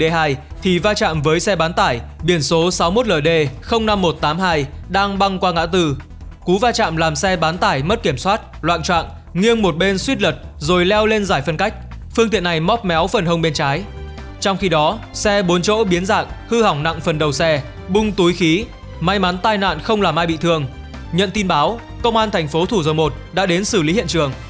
hãy đăng ký kênh để ủng hộ kênh của mình nhé